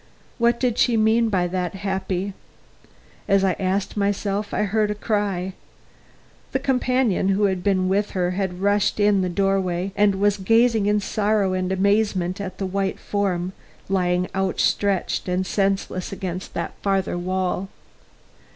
What did she mean by that "Happy"? As I asked myself I heard a cry. The companion who had been with her had rushed in at the doorway, and was gazing in sorrow and amazement at the white form lying outstretched and senseless against that farther wall.